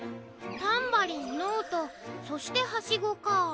タンバリンノートそしてハシゴか。